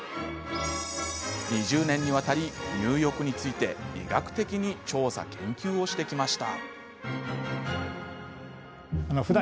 ２０年にわたり入浴について医学的に調査、研究をしてきました。